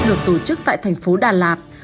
được tổ chức tại thành phố đà lạt